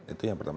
itu yang pertama